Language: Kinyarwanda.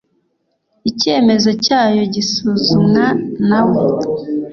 icyemezo cyayo gisuzumwa nawe.